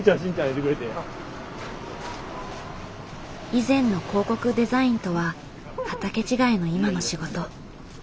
以前の広告デザインとは畑違いの今の仕事。